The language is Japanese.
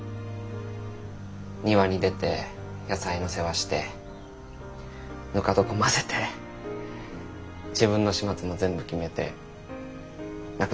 庭に出て野菜の世話してぬか床混ぜて自分の始末も全部決めて亡くなりました。